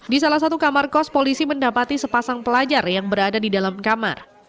di salah satu kamar kos polisi mendapati sepasang pelajar yang berada di dalam kamar